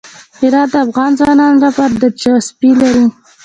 هرات د افغان ځوانانو لپاره دلچسپي لري.